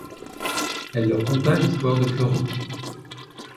Elle leur conta l’histoire de Florent.